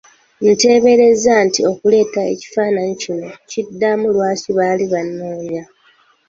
Nteebereza nti okuleeta ekifaananyi kino kiddamu lwaki baali bannoonya.